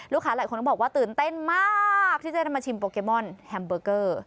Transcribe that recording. หลายคนก็บอกว่าตื่นเต้นมากที่จะได้มาชิมโปเกมอนแฮมเบอร์เกอร์